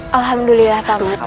alhamdulillah pak mas